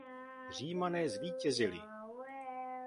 Římané zvítězili.